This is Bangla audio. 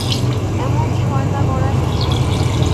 এমন শয়তা করা কেন?